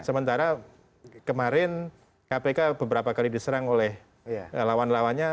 sementara kemarin kpk beberapa kali diserang oleh lawan lawannya